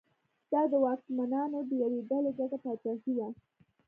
دا د واکمنانو د یوې ډلې ګډه پاچاهي وه.